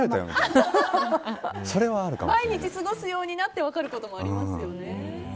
毎日過ごすようになって分かることもありますよね。